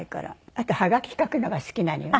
あとハガキ書くのが好きなのよね。